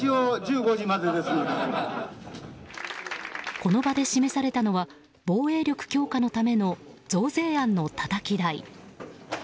この場で示されたのは防衛力強化のための増税案のたたき台。